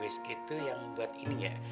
osg tuh yang buat ini ya